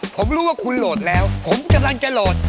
ผมรู้ว่าคุณโหลดแล้วผมกำลังจะโหลด